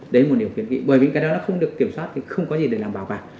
đấy là một điều kiện kỵ bởi vì cái đó nó không được kiểm soát thì không có gì để làm bảo quản